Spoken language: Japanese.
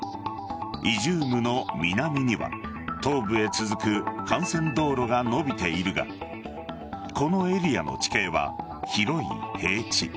イジュームの南には東部へ続く幹線道路が延びているがこのエリアの地形は広い平地。